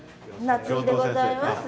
夏井でございます。